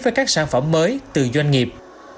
với các sản phẩm mới từ doanh nghiệp